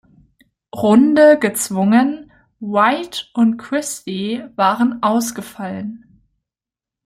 Runde gezwungen, White und Christie waren ausgefallen.